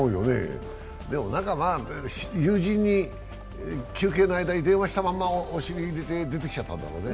友人に休憩の間に電話したまんまお尻に入れて出てきちゃったんだろうね。